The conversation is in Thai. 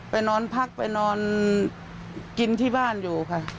นอนพักไปนอนกินที่บ้านอยู่ค่ะ